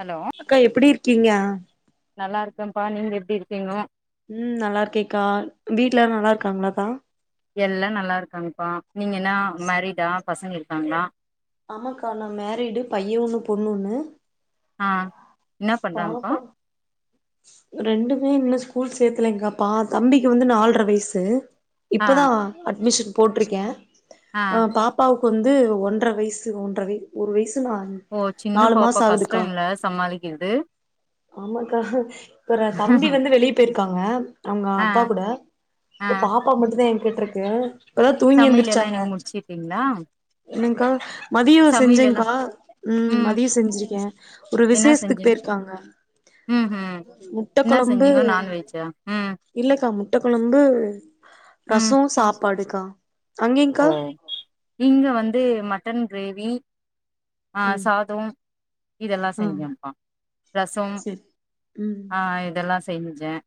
Hello அக்கா எப்டி இருக்கீங்க நல்லா இருக்கேப்பா நீங்க எப்டி இருக்கீங்க ம் நல்லா இருக்கேக்கா வீட்லாரும் நல்லா இருக்காங்களாக எல்லாம் நல்லா இருக்காங்க இப்பா நீங்க என்னா மேரிடா பசங்க இருக்காங்களா ஆமாக்காந மேரிடு பையன்னு பொண்ணுன்னு ஆ என்ன பண்றாங்கப்பா ரெண்டுமே இன்னும் ஸ்கூல் சேர்க்லைக்க தம்பிக்கு வந்து நாலரை வயசு ஆ இப்பதான் அட்மிஷன் போட்டிருக்கேன் ஆ பாப்பாவுக்கு வந்து ஒன்றரை வயசு ஒன்ற ஒரு வயசு ஓ சின்ன நாலு பாப்பா மாசம் ஆகுதுக்கா கஷ்டம்ல சமாளிக்கிறது ஆமாக்கா ஒரு தம்பி வந்து வெளிய போயிருக்காங்க அவங்க ஆ அப்பா கூட ஆ இப்ப பாப்பா மட்டும் இதா என் கிட்ட இருக்கு இப்பதா தூங்கி சமையல் எல்லா எந்திருச்சாங்க இன்னைக்கு முடிச்சுட்டீங்களா என்னங்க்கா மதியோ சமையல் எல்லா செஞ்சேங்க்கா உம் ம் மதியோ செஞ்சிருக்கே ஒரு என்ன விசேஷத்துக்கு செஞ்சீங்க போயிருக்காங்க ம் ம் முட்டை என்ன கொழம்பு செஞ்சீங்க நான்வெஜ்ஜா ம் இல்லக்கா முட் ட்டை கொழம்பு ம் ரசோ சாப்பாடுக்கா அங்கேங்க்கா ஓ இங்க வந்து மட் மட்டன் கிரேவி ஆஹ் ம் சாதோ இதெல்லா ஆ செஞ்சம்ப்பா ரசம் செரி ம் ஆஹ் இதெல்லா செ செஞ்சேன்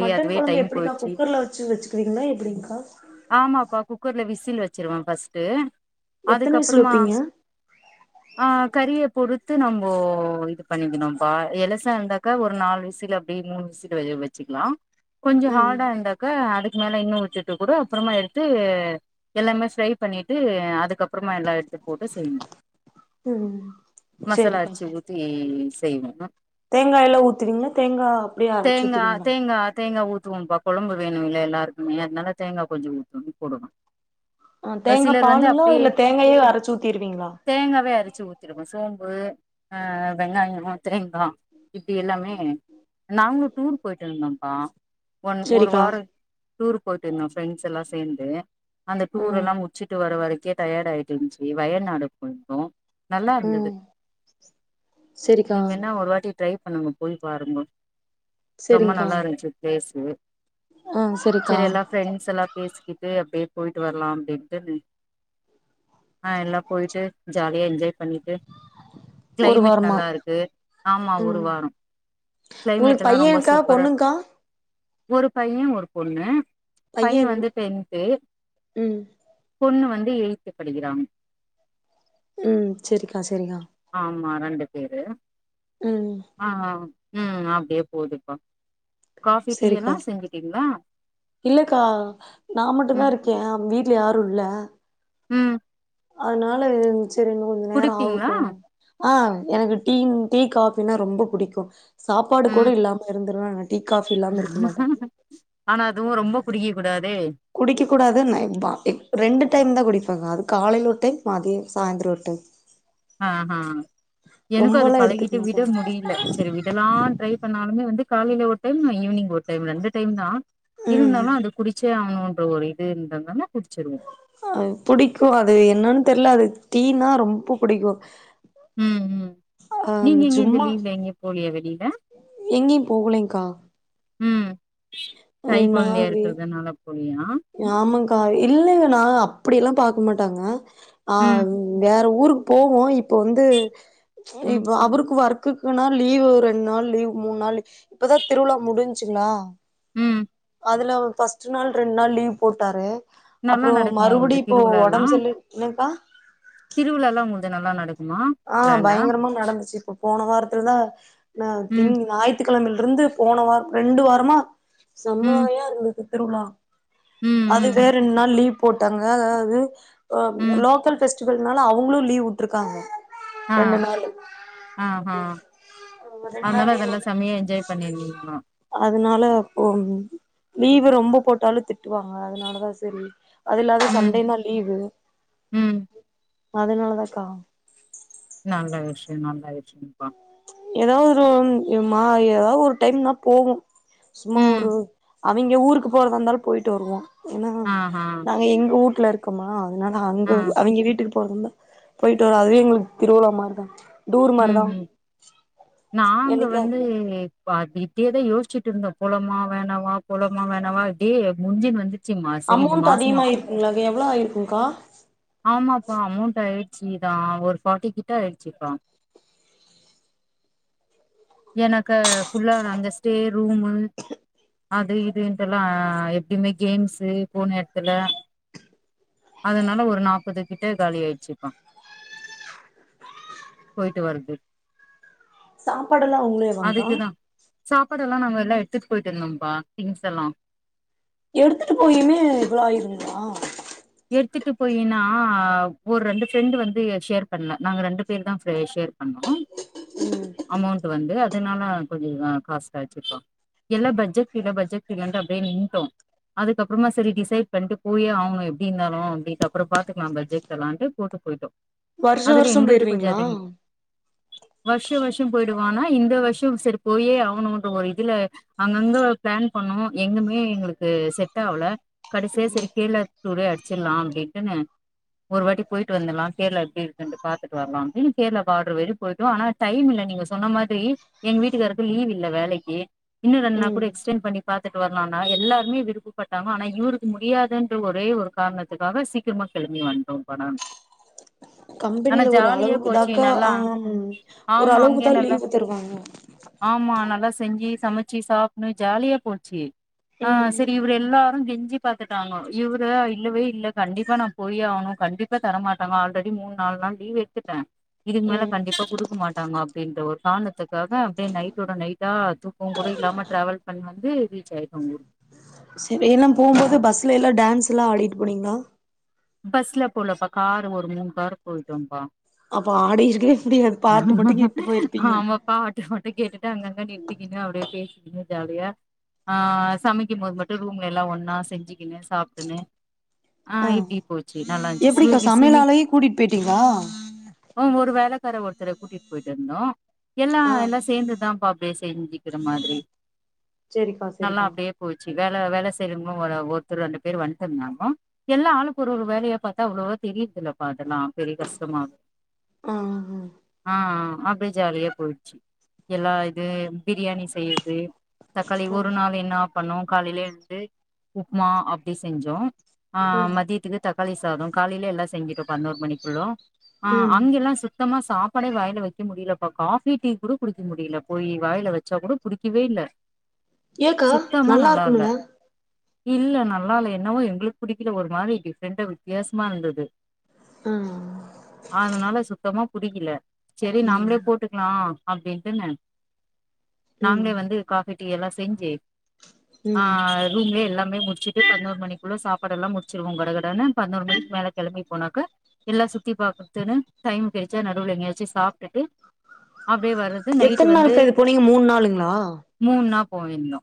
மட்டன் கொழம்பு எப்டிக்கா குக்கர்ல வச்சு வச்சு [unintelligible] எப்டிங்க்கா ஆமாப்பா குக்கர்ல விசில் வச் வச்சிருவே ஃபர்ஸ்ட்டு எத்தன விசில் அதுக்கப்புறமா வப்பீங்க ஆஹ் கறிய பொறுத்து நம்மோ இது பண்ணிக்கணும்ப்பா எளசா இருந்தாக்கா ஒரு நாலு விசில் அப்டி மூணு விசில் வச்சுக்கலா கொஞ்ச ம் ஹாடா இருந்தாக்கா அதுக் அ மேல இன்னும் வச்சிட்டு கூட அப்புறமா எடுத்து எல்லாமே ஃப்ரை பண்ணிட்டு அதுக்கப்புறமா எல்லா எடுத்து போட்டு செய்யணு உம் மசாலா சரிக்கா அரச்சு ஊத்தி செய்வோ தேங்கா எல்லா ஊத்துவீங்ளா தேங்கா அப்டியே அரைச்சு தேங்கா ஊத்துவீங்களா தேங்கா தேங்கா ஊத்துவோம்ப்பா கொழம்பு வேணும்ல்ல எல்லாருக்குமே அதனால தேங்கா கொஞ்சோ உதுத்து அள்ளி போடோனு ஆ தேங்கா சிலர் வந்து பாலுங்களா அப்டியே இல்ல தேங்காயே அரச்சு ஊத்திருவீங்களா தேங்காவே அரைச்சு ஊத்திருவோ சோம்பு வெங்காயம் தேங்காய இப்டி எல்லாமே நாங்களும் டூர் போய்ட்டு இருந்தோம் ஆ ஒன் ஒரு செரிக்கா வார டுர் போ எங்க ஃபிரெண்ட்ஸ் எல்லாம் சேந்து அந்த டூர் ம் எல்லா முட்ச்சிட்டு வர வரைக் அங்கயே டயேர்டு ஆயிருச்சுனு சொல்லி வயநாடு போயிர்ந்தோ நல்லா இருந்தது ம் செரிக்கா நீங்க வேண்ணா ஒரு வாட்டி ட்ரை பண்ணுங்க போய் பாருங்க ரொம்ப நல்லா இருந்துச்சு பிளேஸ் [unintelligible] ஆஹ் சரிக்கா பிரெண்ட்ஸ் எல்லாம் பேசிக்கிட் து அப்டியே போயிட்டு வரலா அப்டின்ட்டுனு ஆஹ் எல்லா போயிட்டு ஜாலியா என்ஜாய் பண்ணிட்டு ஒரு கிளைமேட் வாரமா நல்லா இருக்கு ஆமா ஒரு ம் வாரோ உங்களுக்கு கிளைமேட் எல்லா ரொம்ப பையன்க்கா சூப்பரா பொண்ணுங்க்கா ஒரு பைய ஒரு பொண்ணு பைய பையன் வந்து டென்த்து ம் பொண்ணு வந்து எய்த்து படிக்கிறாங் உம் சரிக்கா சரிக்கா ஆமா ரெண்டு பேரு ஆ ஆ ம் அப்டியே போதுப்பா காஃபி டீயெல்லா செஞ்சிட்டீங்களா க்கா நா மட்டுந்தா இருக்கே வீட்ல யாரு இல்ல ம் அதனால செரிங்க கொஞ்ச நேரம் குடிப்பீங்களா ஆகட்டும் ஆஹ் எனக்கு டீயும் டீ காபினா ரொம்ப பிடிக்கும் சாப்பாடு கூட ம் இல்லாம இருந்துருலாங்க டீ காபி இல்லாம இருக்க மாட்டேன் ஆனா அதுவு ரொம்ப குடிக்க கூடாதே குடிக்க கூடாது நான் இருந்தே அப்பே ரெண்டு டைம் தான் குடிப்பாங்க அது காலையில ஒரு டைம் மாதிய சாய்ந்தரம் ஓரு டைம் ஆஹா ஹா எனக்கும் அது ரொம்பலா எடுத்துக்க பழகிட்டு மாட்ட விட முடியல சரி விடலாம் ட்ரை பண்ணாலுமே வந்து காலையில ஒரு டைம் நான் ஈவினிங் ஒரு டைம் ரெண்டு டைம் தான் ம் இருந்தாலும் அது குடிச்சே ஆவனும் பன்ற ஒரு இதுனா அ புடிக்கும் அது என்னன்னு தெரியல அது டீனா ரொம்ப பிடிக்கும் ம் ம் அஹா நீங்க எங்க இந்த சும்மா லீவ்ல எங்கயு போலியா வெளியில எங்கேயும் போகலங்கா ம் கை குழந்தையா இருக்கிறதுனால புலியா ஆமாக்கா இல்லைங்க நான் அப்படிய எல்லாம் பான் நின்னுட்டாங்க ம் ஆஹ் வேற ஊருக் போவோ இப் இப்ப வந்து ம் இப்ப அவருக்கு ஒர்க் க்குக்குன்னா லீவ் ரெண்ட் நாள் லீவ் மூண் நாளு இப்பதா திருவிழா முடிஞ்ச்சுங்ளா ம் அதுல ஃபஸ்ட் நாள் ரெண்ட் நாள் லீவ் போட்டாரு நல்லா அப்பறம் நடக்குமா உங்கள்து மறுபடிம் இப்போ உடம்பு செல்லு என்னக்கா திருவிழாலா உங்கள்து நல்லா நடக் ஆஹ் பயங்கரமா நடந்துச்சு இப்போ போன வாரத்துலதா நா ம் திங் ஞாயித்துக் கிழமிலருந்து போன வார ரெண்டு வாரமா ம் செம்மயா இருந்தது திருவுழா ம் அதுவே ம் ரெண்ட் நாள் லீவ் போட்டாங்க அதாவது ஆ ம் லோக்கல் ஃபெஸ் ச்சுகள்னால அவங்களு லீவ் வுட்ருக்காங்க ஆஹ் ஆஹ் ஹா அதனால அதலா செமையா என்ஜாய் பண்ணீங்ளோ அதனால இப்போ லீவு ரொம்ப போட்டாலு திட்டுவாங்க அதனாலதா சரி அது இல்லாத ம் சண்டேனா லீவு ம் அதுனாலதாக்கா நல்ல விஷயம் நல்ல விஷயம்ப்பா எதாவது ஒரு மா எதாவது ஒரு டைம்னா போவோ சும்மா ம் ஒரு அவிங்க ஊருக்கு போறதா இருந்தாலு போயிட்டு வருவோ ஏன்னா ஆ ஆ நாங்க எங்க ஊட்ல இருக் க்கமா அதனால அங்க ஆ அவிங்க வீட்டுக் போறதாருந்தா போயிட்டு வரோ அதுவே எங்களுக்கு திருவிழா மாரிதா டூர் ம் மாரிதா ம் நாங்க வந்து என்னைக்காது பா இப்டியேதா யோசிச்சிட்டு இருந்தோ போலாமா வேணாவா போலாமா வேணாவா இப்டியே முஞ்சின் வந்துட் அமௌண்ட் அதிகமாயிருக்குங்ளா அது எவ்ளோ ஆயிருக்குங்க்கா ஆமாப்பா [unintelligible] ஒரு ஃபார்ட்டி கிட்ட ஆயிடுச்சுப்பா ஏன்னாக்க ஃபுல்லா அங்க ஸ்டே ரூமு அது இதுன்ட்டு எல்லா எப்டியுமே கேம்சு போன எடத்துல அதனால ஒரு நாபபது கிட்ட காலி ஆயிடுச்சுப்பா போயிட்டு வருது சாப்பாடெல்லா அவங்களேவாங்க்கா அதுக்குதா சாப்பாடெல்லா நாங்க எல்லா எடுத்துட் போயிட்ருந்தோம்ப்பா திங்ஸ் எல்லா எடுத்துட்டு போயுமே இவ்ளோ ஆயிருந்ததுங்ளா எடுத்துட்டு போயினா ஒரு ரெண்டு ஃப்ரெண்டு வந்து ஷேர் பண்ல நாங்க ரெண்டு பேர்தா அ ஷேர் பண்ணோ அமௌண்ட் வந்து அதனால கொஞ்ச காஸ்ட் ஆச்சுப்பா எல்லா பட்ஜெட் இல்ல பட்ஜெட் இல்லன்ட்டு அப்டியே நின்ட்டோ அதுக்கப்புறமா சரி டிசைட் பண்ட்டு போயே ஆவணு இப் தீந்தாலு அப்டி அப்றோ பாத்துக்கலா பட்ஜெட் எல்லான்ட்டு போட்டு போயிட்டோ வருஷோ அதுல வருஷோ எங்கள்து கொஞ்ச போயிருவீங்களா அதிகோ வர்ஷ வர்ஷோ போயிடுவோ ஆனா இந்த வருஷம் செரி போயே ஆகணும்ன்ற ஒரு இதுல அங்கங்க பிளான் பண்ணோம் எங்குமே எங்களுக்கு செட் ஆகல கடசிய செரி கேல டூடே அடிச்சிடலாம் அப்டின்னு ஒரு வாட்டி போயிட்டு வந்தலாம் கேரள எப்படி இருக்குன்டு பாத்துட்டு வரலாம் அப்டின்னு கேரள பார்டர் வரையூ போயிடோ ஆனா டைம் இல்ல நீங்க சொன்ன மாதிரி எங்க வீட்டுக்காருக்கு லீவ் இல்ல வேலக்கு இன்னும் ரெண்டு நாள் ம் கூட எக்ஸ்டென் பண்ணி பாத்துட்டு வரலாம்னா எல்லாருமே விருப்பப்பட்டாங்க ஆனா இவருக்கு முடியாதுன்ற ஒரு ஒரே ஒரு காரணத்துக்காக சீக்கிரமா கிளம்பி வந்துட்டோம் நா கம்பெனில ஒரு அளவுக்குதாக்கா ஆ நல்லா ஒரு ஆமா அங்கயே அளவுக்குதான் நல்லா லீவ் தருவாங்க ச்ச சாப்படணும் ஜாலியா போடுச்சு ஆ ம் ம் செரி இவர எல்லா கெஞ்சி பாத்துட்டாங்க இவரு இல்லவே இல்ல கண்டிப்பா நான் போயே ஆகணும் கண்டிப்பாக தர மாமாட்டாங்க ஆல்ரெடி மூணு நாலு நாள் லீவ் எடுத்துட்டேன் இதுக்கு மேல ம் கண்டிப்பா குடுக்க மாட்டாங்க அப்டின்ற ஒரு காணத்துக்கு காக அப்டியே நைட்டோட நைட்டா தூக்கம் கூட இல்லாம டிராவல் பண்ணுவாங்க இது வேவிச்சாய [inaudible] உங்களுக்கு செரி எல்லாம் போகும்போது பஸ்ல எல்லாம் டான்ஸ் எல்லாம் ஆடிட்டு போனீங்களா பஸ்ல போலப்பா காரு ஒரு மூணு கார் போயிட்டோபா அப்ப ஆடிருக்கவே முடியாது பாட்டு மட்டு கேட்டு போயிருப்பீங்க ஆமாப்பா பாட்டு பாட்டும் கேட்டுட்டு அங்கங்க நிறுத்திக்கினு அப்டியே பேசிக்குனு ஜாலியா அ சமைக்கும்போது மட்டும் ரூம் எல்லாம் ஒன்னா செஞ்சு சாப்படினு ஆஹ ஆ இப்படி எப்டிக்கா சமையலாலேயே கூட்டிட்டு போயிட்டீங்களா ம் ஒரு வேலக்கார ஒருத்தரை கூட்டிட்டு போயிட்டு இருந்தோம் எல்லாம் ஆ எல்லாம் சேர்ந்துதான்பா அப்டியே செஞ்சிக்கிற மாதரி செரிக்கா நல்லா செரிக்கா அப்டியே போச்சு வேல வேல செய்யலுங்களும் ஒருத்தர் ரெண்டு பேர் வந்துந்தாங்க எல்லா ஆளுக் ஒரு ஒரு வேலயா பார்த்தா அவ்வளவோ தெரியிருதில்லபா எல்லாம் பெரிய கஷ்டமா ஆ ஆஹ் அப்படியே ஜாலியா போயிடுச்சு எல்லா இது பிரியாணி செய்யுது தக்காளி ஆ ஒரு நாள் என்ன பண்ணோம் காலயிலயே வந்து உப்புமா அப்டி செஞ்சோம் ஆ ஆனால் மதி தக்காளி சாதம் காலயில எல்லாம் செஞ்சிடோ பதினோரு மணிக்குள்ள ஆ ம் அங்கெல்லா சுத் த்தமா சாப்பாடே வாயில வைக்க முடியலப்பா காஃபி டீ கூட குடிக்க முடியல போய் வாயில வச்சா கூட புடிக்கவே இல்ல ஏக்கா சுத்தமா நல்லா இல்ல இருக்கும்ல இல்ல நல்லா இல்ல என்னவோ எங்களுக்கு புடிக்கல ஒரு மாரி டிஃப் ரெண்டு வித்தியாசமா இருந்தது ஆ அதனால சுத்தமா புடிக்கல செரி ம் நாமளே போட்டுக்கலா அப்டின்ட்டுனு ம் நாங்களே வந்து காஃபி டீ எல்லா செஞ்சு ஆ ம் ரூம்லயே எல்லா மே முடிச்சுட்டு பதினோரு மணிக்குள்ள சாப்பாடெல்லா முடிச்சிருவோம் கடகடன்னு டனு பதினோரு மணிக்கு மேல கெளம்பி போனாக்க எல்லா சுத்தி பாத்துத்துனு டைம் கெடச்சா நடுவுல எங்காயச்சு சாப்ட்டுட்டு அப்டியே வர்றது நைட்டு எத்தன வந்து நாளுக்கா இது போனீங்க மூணு நாளுங்களா போனீங்னோ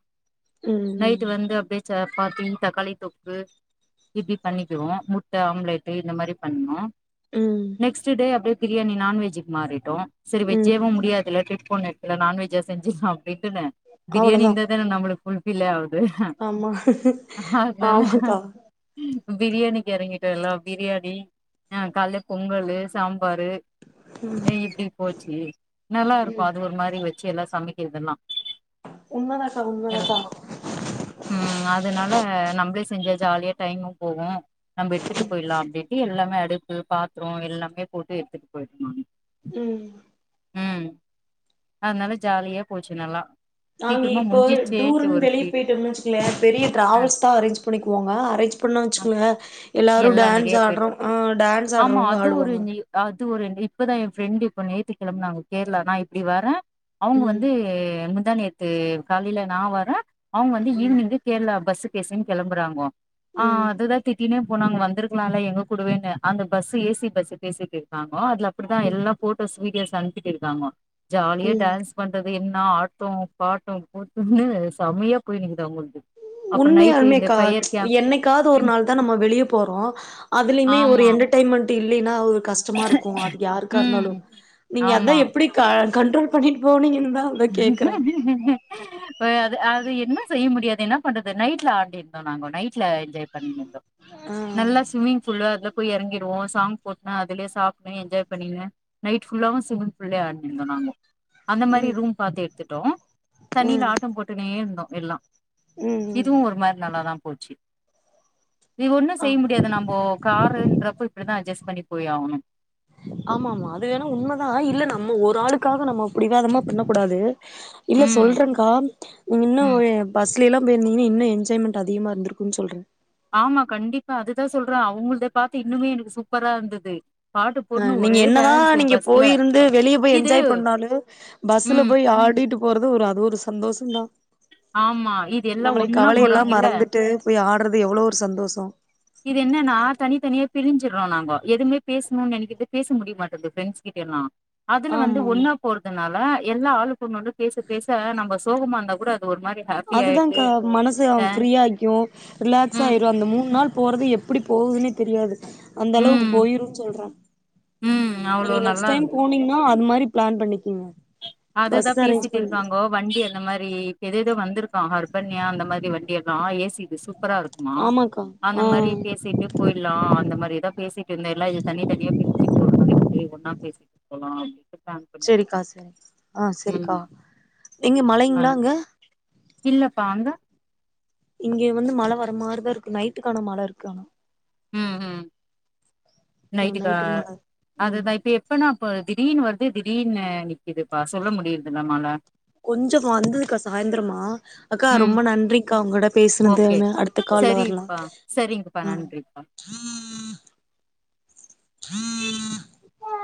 ம் ம் நைட் வந்து அப்டியே சப் பாத்தி தக்காளி தொக்கு இப்டி பண்ணிக்குவோ முட்டை ஆம்லேட்டு இந்த மாரி பண்ணோ ம் நெக்ஸ்ட் டே அப்டியே பிரியாணி நான்வெஜ்ஜுக்கு மாறிட்டோ சரி ம் வெஜ்ஜேவு முடியாதுல்ல [unintelligible] போன எடெத்தல நான்வெஜ்ஜா செஞ்சு சாப்ட்டோ. ரிட்டனு பிரியாணி அவ்ளோதா இருந்தாதான நம்மளுக் [unintelligible] ஆமா ஆமாக்கா பிரியாணிக்கு எறங்கிட்டேல்ல பிரியாணி ஆஹ காலைல பொங்கல் சாம் பாரு ஏ இப்டி போச்சு நல்லா இருக்கு அது ஒரு மாரி வச் எல்லா சமைக்கிறதெல்லா உண்மதாக்கா உண்மதாக்கா ஆ நம்பளே செஞ்சா ஜாலியா டைம் போகு நம்ப எடுத்துட்டு போயிறலா அப்டின் இல்ல எல்லாமே அடுப்பு பாத்ரோ எல்லாமே போட்டு எடுத்துட் போயிருந்தோ அன்னைக்கி உம் உம் அதனால ஜாலியா போச்சு நல்லா நாங்க சீக்கிரமா இப்போ முடிஞ்சிச்சேன்ட்டு டூர்ன்னு ஒரு வெளியே ஃபீல் போயிட்டு வந்தோன் பெரிய ஆ டிராவல்ஸ் தான் அரேஞ்ச் பண்ணக்குவோங்க அரேஞ் பண்ணச் ஆ இல்ல எல்லாரு எல்லா நெறைய டான்ஸ் பேர் ஆடுறோ ஆஹ் டான்ஸ் ஆடுறவங்க ஆடுவாங்க இது ஒரு இப்பதான் என் ப்ரெண்ட் இப்ப நேத்து கிளம்பாங்க கேரளா நான இப்டி வரேன் அவங்க ம் வந்து என்ன தான் நேத்து காலையில நான வரேன் அவங்க வந்து ஈவினிங்கு கேரளா பஸ்ஸுக் பேசன்னு கிளம்புறாங்கோ ம் இப்தான் திட்டினே போனாங்க வந்திருக்கலாம்ல்ல எங்க கூடவேன்னு அந்த பஸ் ஏசி பஸ் பேசிட்டு இருக்காங்க ஆ அதுல அப்டிதான் ம் எல்லா போட்டோஸ் வீடியோஸ் சந்திச்சிட்டு இருக்காங்கோ ஜாலியா ம் டான்ஸ் பண்றது என் ஆட்டம் பாட்டம் போட்டுக்கனு செமையா போயினுக்குது அவங்களுக்கு உண்மையாலுமேக்கா ச் ச என்னைக்கா ந்த ஒரு நாள்தா நம்ம வெளிய போறோ அதுலயுமே ஒரு ஆமா எண்டர்டெய்ன்மெண்ட் இல்லன்னா அவரு கஷ்டமா இருக்கும் அது யாருக்கா ம் இருந்தாலும் நீங்க ஆமா அதான் எப்டிக்கா கண்ட்ரோல் பண்ணிட்டு போனீங்கன் ஹிஹிஹி அது அது என்ன செய்ய முடியாது என்ன பண்றது நைட்ல ஆடிட்ருந்தோம் நாங்க நைட்ல என்ஜாய் பண்ணிங்கினு ஆ நல்லா ஸ்ம்மிங் பூல்ல அது போய் எறங்கிடுவோ சாங் போட்னு அதுலயே சாப்ட்டே என்ஜாய் பண்ணினே நைட் ஃபுல்லாவு ஸ்விம்மிங் பூல்லயே ஆடினுருந்தோ நாங்கோ அந்த மாரி ம் ரூம் எடுத்துட்டோ தண்ணியில ம் ஆட்டம் போட்டுனே இருந்தோம் எல்லாம் ம் ம் இதுவு ஒரு மாரி நல்லாதா போச்சு இது ஒண்ணும் ஆ செய்ய முடியாது நம்போ காருன்றப்போ இப்டிதா அட்ஜஸ் பணி போய் ஆகணும் ஆமா ஆமா அது வேணா உண்மதான் இல்ல நம்ம ஒரு ஆளுக்காக நம்ம பிடிவாதமா பண்ணக்கூடாது இல்ல ம் சொல்றேங்க்கா நீங்க இன்னு ம் பஸ் எல்லாம் போயிருந்தீங்கன்ன என்ஜாய்மெண்ட் அதிகமா இருந்திருகுன்னு சொல்றேன் ஆமா கண்டிப்பா அதுதான் சொல்றேன் அவங்களதப் பார்த்து இன்னுமே எனக்கு சூப்பரா இருந்தது பாட்டு போட்னு ஆஹ் நீங்க ஒரே என்னதான் டான்ஸு நீங்க பஸ்ல போயிருந்து வெளிய போய் இது என்ஜாய் பண்ணாலும் பஸ்ல ம் போய் ஆடிட்டு போரது ஒரு அது ஒரு சந்தோஷம் தான் ஆமா இது எல்லாம் ஒன்னா போறாங்கிள்ள மறந்துட்டு போய் ஆடுறது எவ்ளோ ஒரு சந்தோஷோ இது என்னன்னா தனி தனியா பிரிஞ்சு ம் நா எதும பேசணும்னு நெனைக்குறது பேச முடிய மாட்டது ப்ரன்ட்ஸ் கிட்ட எல்லாம் அதுல வந்து ஆமா ஆமா ஒன்னா போறதுனால ஆ எல்லா ஆளு இவங்க வந்து பேச பேச நம்மப் சோகமந்தாக் கூட அது ஒரு மாரி ஹாப்பி அதுதான் ஆயிடுது கா மனச அ ஃப்ரீ ஆயிக்கும் ரிலாக்ஸ் ம் ஆயிரும் அந்த மூணு நாள் போறது எப்படி போகுதுன்னே தெரியாது அந்த அளவுக்கு ம் போயிரும் சொல்றேன் ம் அவ்ளோ நீங்க நெக்ஸ்ட் டைம் போனீங்கன்னா அது மாதிரி பிளான் பண்ணி பஸ் அதுதான் அரேஞ்ச் பேசிட்டு இருக்காங்கோ வண்டி அந்த மாதிரி எத எதோ வந்து இருக்கான் ஹ்பன்யா அந்த மாதிரி வண்டி எல்லாம் ஏசி பாசு சூப்பர இருக்குமா ஆமாக்கா அந்த ஆ மாதிரி பேசிட்டு போயிடலாம் அந்த மாதிரி தான் பேசிட்டு இருந்த எல்லாம் இது தனி தனியா பிரி்ஞ்சு ஒரு மாதிரிட்டு அப்படி ஒன்னா பேசிட்டு போலாம் ஃபிளான் பண்ண செரிக்கா ஆ செரிக்கா எங்க ஆ மழங்கிளா அங்க இல்லப்பா அங்க இங்க வந்து மழை வர மாதிரிதான் இருக்கு நைட்டுக்கான மழ இருக்கு ஆனா உம் உம் ம் நைட்டுக்கா நைட்டுக்கு மழ ம் அதுதான் இப்ப எப்பனா இப்ப திடீனு வருது திடீனு நிக் கொஞ்சம் வந்ததுக்கா சாய்ந்தரமா அக்கா ம் ரொம்ப நன்றிக்கா உங்களோட ஓகே பேசுனதுன்னு அடுத்த கால்ல வரலாம் சரிப்பா சரிங்கப்பா ஆ நன்றிப்பா உம்ம